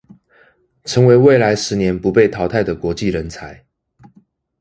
成為未來十年不被淘汰的國際人才